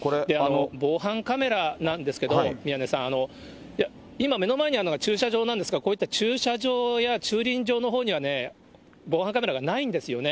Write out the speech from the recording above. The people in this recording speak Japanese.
防犯カメラなんですけれども、宮根さん、今、目の前にあるのが駐車場なんですが、こういった駐車場や駐輪場のほうには、防犯カメラがないんですよね。